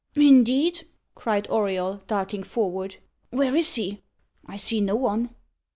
"Indeed!" cried Auriol, darting forward. "Where is he? I see no one."